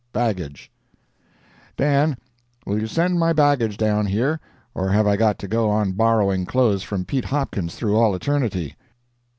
BAGGAGE Dan, will you send my baggage down here, or have I got to go on borrowing clothes from Pete Hopkins through all eternity?